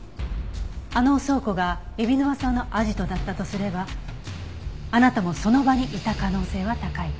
あの倉庫が海老沼さんのアジトだったとすればあなたもその場にいた可能性は高い。